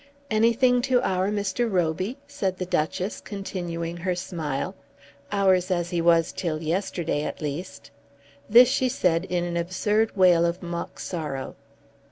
"Anything to our Mr. Roby?" said the Duchess, continuing her smile, "ours as he was till yesterday at least." This she said in an absurd wail of mock sorrow.